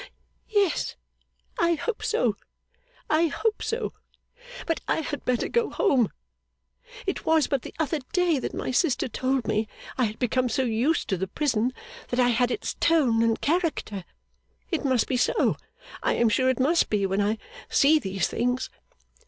'Yes, I hope so, I hope so. But I had better go home! It was but the other day that my sister told me I had become so used to the prison that I had its tone and character. It must be so. I am sure it must be when I see these things.